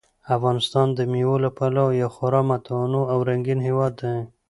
افغانستان د مېوو له پلوه یو خورا متنوع او رنګین هېواد دی.